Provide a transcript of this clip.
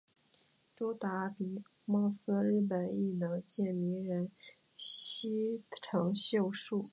周达明貌似日本艺能界名人西城秀树。